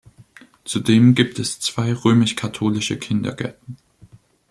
Zudem gibt es zwei römisch-katholische Kindergärten.